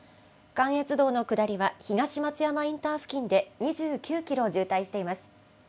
関越道の下りは東松山インター付近で２９キロ渋滞しています。